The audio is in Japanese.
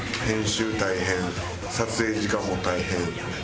編集大変撮影時間も大変。